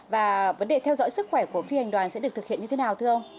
và vấn đề theo dõi sức khỏe của phi hành đoàn sẽ được thực hiện như thế nào thưa ông